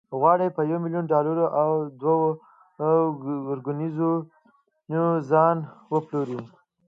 غواړي په یو میلیون ډالرو او دوه کروزینګونو ځان وپلوري.